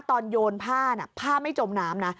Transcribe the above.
โยนผ้าผ้าไม่จมน้ำนะ